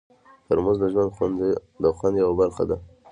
ترموز د ژوند د خوند یوه برخه ده.